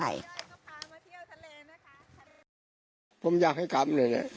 มีเรื่องอะไรมาคุยกันรับได้ทุกอย่าง